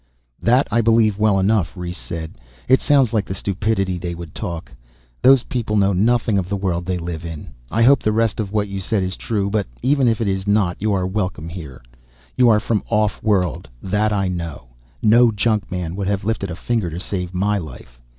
"That I believe well enough," Rhes said, "it sounds like the stupidity they would talk. Those people know nothing of the world they live in. I hope the rest of what you said is true, but even if it is not, you are welcome here. You are from off world, that I know. No junkman would have lifted a finger to save my life.